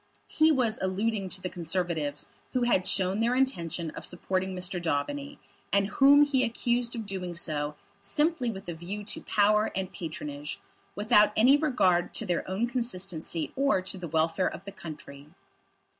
He was alluding to the Conservatives who had shown their intention of supporting Mr. Daubeny, and whom he accused of doing so, simply with a view to power and patronage, without any regard to their own consistency or to the welfare of the country.